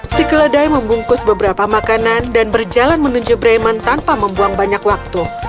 si keledai membungkus beberapa makanan dan berjalan menuju bremen tanpa membuang banyak waktu